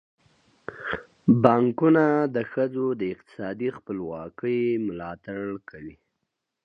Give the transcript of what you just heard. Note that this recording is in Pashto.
بانکونه د ښځو د اقتصادي خپلواکۍ ملاتړ کوي.